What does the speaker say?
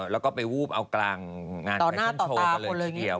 แล้วก็ไปวูบเอากลางงานแฟชั่นโชว์กันเลยทีเดียว